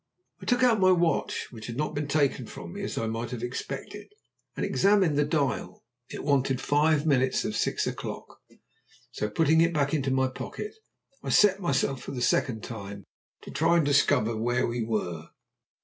I took out my watch, which had not been taken from me as I might have expected, and examined the dial. It wanted five minutes of six o'clock. So putting it back into my pocket, I set myself for the second time to try and discover where we were.